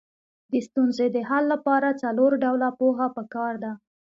د ستونزې د حل لپاره څلور ډوله پوهه پکار ده.